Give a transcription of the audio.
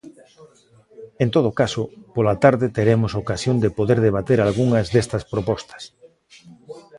En todo caso, pola tarde teremos ocasión de poder debater algunhas destas propostas.